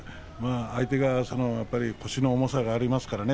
相手が腰の重さがありますからね。